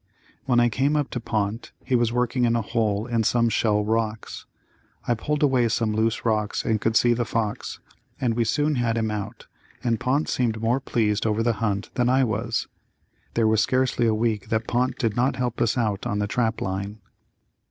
When I came up to Pont he was working in a hole in some shell rocks. I pulled away some loose rocks and could see the fox, and we soon had him out, and Pont seemed more pleased over the hunt than I was. There was scarcely a week that Pont did not help us out on the trap line.